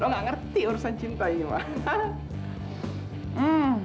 lo gak ngerti urusan cinta ini mah